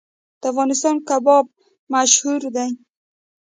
د افغانستان کباب مشهور دی